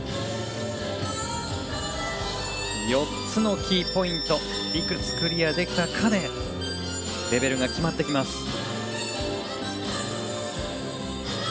４つのキーポイントいくつクリアできたかでレベルが決まってきます。